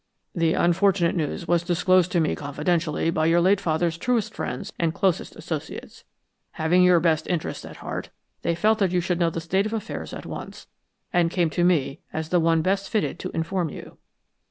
"The unfortunate news was disclosed to me confidentially by your late father's truest friends and closest associates. Having your best interests at heart, they feel that you should know the state of affairs at once, and came to me as the one best fitted to inform you."